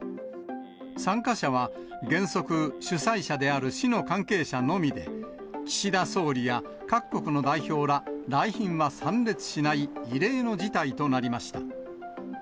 参加者は原則、主催者である市の関係者のみで、岸田総理や各国の代表ら来賓は参列しない、異例の事態となりました。